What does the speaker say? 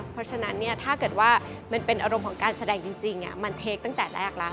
เพราะฉะนั้นถ้าเกิดว่ามันเป็นอารมณ์ของการแสดงจริงมันเทคตั้งแต่แรกแล้ว